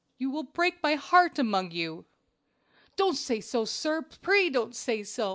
You will break my heart among you. "Don't say so, sir! pray don't say so!